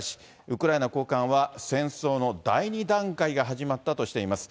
ウクライナ高官は、戦争の第２段階が始まったとしています。